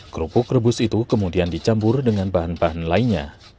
kerupuk rebus itu kemudian dicampur dengan bahan bahan lainnya